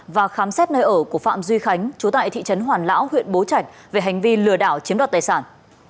và khám xét nơi ở của phạm duy khánh chú tại thị trấn hoàn lão huyện bố trạch về hành vi lừa đảo chiếm đoạt tài sản